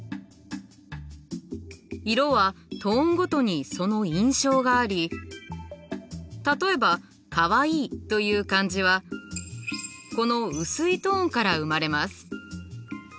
色はトーンごとにその印象があり例えばかわいいという感じはこのうすいトーンから生まれます。